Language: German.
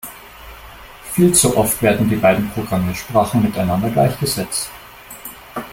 Viel zu oft werden die beiden Programmiersprachen miteinander gleichgesetzt.